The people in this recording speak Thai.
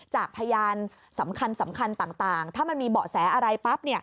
จากพยานสำคัญต่างถ้ามันมีเบาะแสอะไรปั๊บ